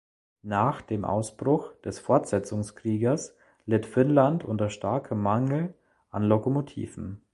Nach dem Ausbruch des Fortsetzungskrieges litt Finnland unter starkem Mangel an Lokomotiven.